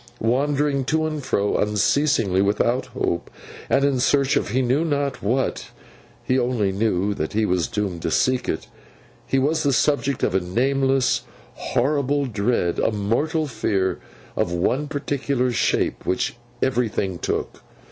Wandering to and fro, unceasingly, without hope, and in search of he knew not what (he only knew that he was doomed to seek it), he was the subject of a nameless, horrible dread, a mortal fear of one particular shape which everything took.